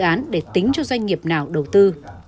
tất cả các dự án để tính cho doanh nghiệp nào đầu tư